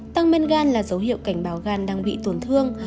tăng men gan là dấu hiệu cảnh báo gan đang bị tổn thương